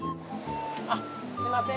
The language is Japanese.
あっすいません